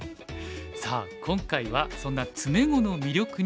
さあ今回はそんな詰碁の魅力に迫ってみました。